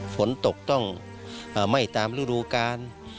ฝนตกต้องไหม้ตามฤดูกาล